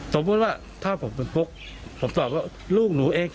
สมมุติว่าถ้าผมเป็นปุ๊กผมตอบว่าลูกหนูเอง